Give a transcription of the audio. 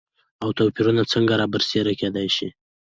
او توپېرونه څنګه رابرسيره کېداي شي؟